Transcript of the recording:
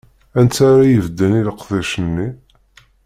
Anta ara ibedden i leqdic-nni?